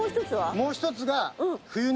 もう１つが。